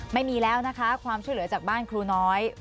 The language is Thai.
ไม่มีแล้วนะคะความช่วยเหลือจากบ้านครูน้อย